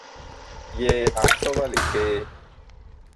Yɛɛ ag sɔ va likɛɛ.